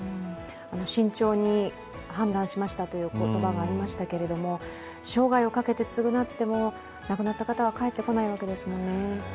慎重に判断しましたという言葉がありましたけど、生涯をかけて償っても亡くなった方は帰ってこないわけですもんね。